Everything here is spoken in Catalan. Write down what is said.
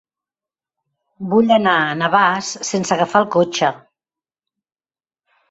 Vull anar a Navàs sense agafar el cotxe.